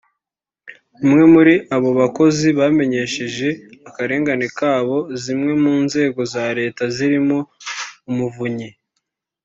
Bamwe muri abo bakozi bamenyesheje akarengane kabo zimwe mu nzego za Leta zirimo Umuvunyi